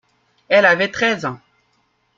Elle avait treize ans.